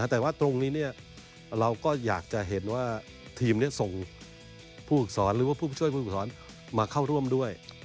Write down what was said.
แต่ว่าตรงนี้เราก็อยากจะเห็นว่าทีมส่งผู้ฝึกสอนหรือว่าผู้ช่วยผู้ฝึกสอนมาเข้าร่วมด้วย